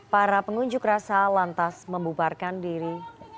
para pengunjuk rasa lantas membubarkan diri